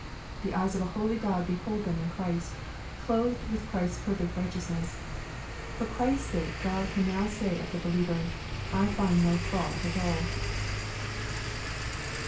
The eyes of a holy God behold them in Christ, clothed with Christ's perfect righteousness. For Christ's sake God can now say of the believer, '^ I find in him no faiflt"a(rall."